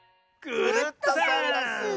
クルットさんダス！